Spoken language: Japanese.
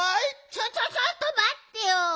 ちょちょちょっとまってよ！